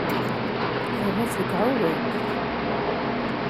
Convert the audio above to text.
Terra-tt deg uɛewwiq.